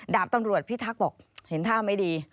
ดาบตำรวจพิทักษ์บอกเห็นท่าไม่ดี